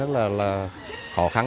rất là khó khăn